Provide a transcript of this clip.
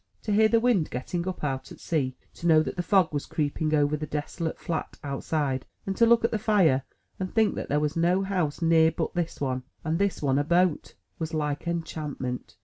To hear the wind getting up out at sea, to know that the fog was creeping over the desolate flat outside, and to look at the fire, and think that there was no house near but this one, and this one a boat, was like enchantment.